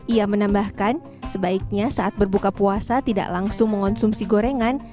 ia menambahkan sebaiknya saat berbuka puasa tidak langsung mengonsumsi gorengan